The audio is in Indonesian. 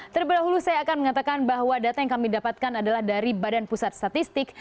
terlebih dahulu saya akan mengatakan bahwa data yang kami dapatkan adalah dari badan pusat statistik